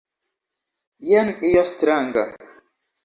Jen io stranga.